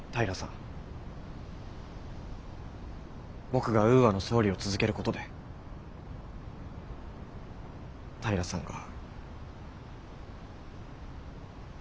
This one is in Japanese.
僕がウーアの総理を続けることで平さんが。